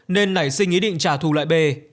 nên nảy sinh ý định trả thù lại bê